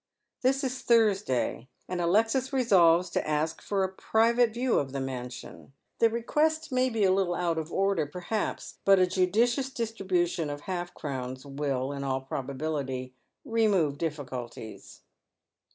This is Thursday, and Alexis resolves to ask for a private view of the mansion. The request may be a little out of order perhaps, but a judicious distribution of half crowns will, in all probability, remove diiSculties.